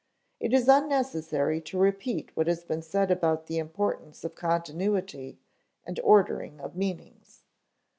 It is unnecessary to repeat what has been said about the importance of continuity and ordering of meanings.